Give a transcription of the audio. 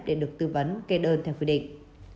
để được tư vấn kê đơn theo quy định